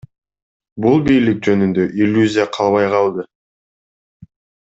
Бул бийлик жөнүндө иллюзия калбай калды.